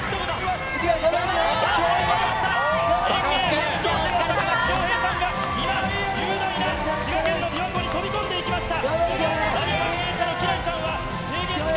４、３、２、高橋恭平さんが、今、雄大な滋賀県びわ湖に飛び込んでいきました。